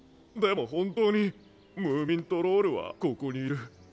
でも本当にムーミントロールはここにいる。